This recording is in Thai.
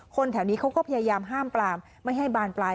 แถวนี้เขาก็พยายามห้ามปลามไม่ให้บานปลาย